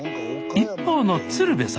一方の鶴瓶さん。